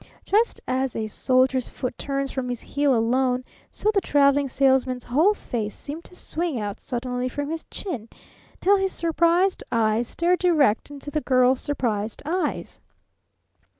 Just as a soldier's foot turns from his heel alone, so the Traveling Salesman's whole face seemed to swing out suddenly from his chin, till his surprised eyes stared direct into the Girl's surprised eyes.